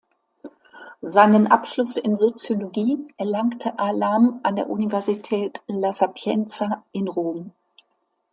Seinen Abschluss in Soziologie erlangte Allam an der Universität La Sapienza in Rom.